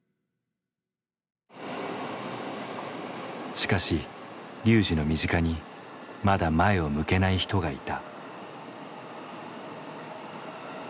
しかしＲＹＵＪＩの身近にまだ前を向けない人がいた。